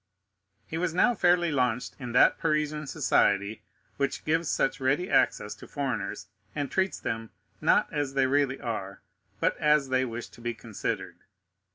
He was now fairly launched in that Parisian society which gives such ready access to foreigners, and treats them, not as they really are, but as they wish to be considered.